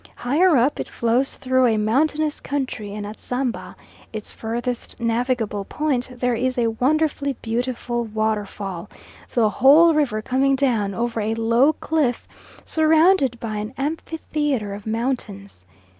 Higher up, it flows through a mountainous country, and at Samba, its furthest navigable point, there is a wonderfully beautiful waterfall, the whole river coming down over a low cliff, surrounded by an amphitheatre of mountains.